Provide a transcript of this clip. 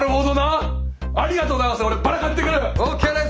ありがとう永瀬。